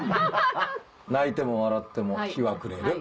「泣いても笑っても日は暮れる」。